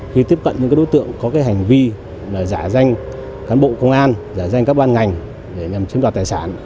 khi tiếp cận những đối tượng có hành vi giải danh cán bộ công an giải danh các ban ngành để nhằm chiếm đoạt tài sản